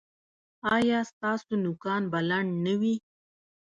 ایا ستاسو نوکان به لنډ نه وي؟